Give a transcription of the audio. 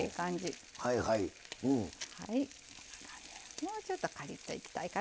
もうちょっとカリッといきたいかな。